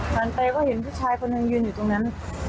หันไปก็เห็นผู้ชายคนหนึ่งยืนอยู่ตรงนั้น